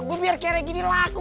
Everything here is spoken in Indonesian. gua biar kere gini laku